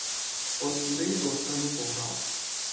اسطورهی رستم و سهراب